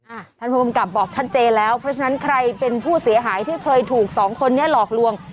ท่านผู้กำกับบอกชัดเจนแล้วเพราะฉะนั้นใครเป็นผู้เสียหายที่เคยถูกสองคนนี้หลอกลวง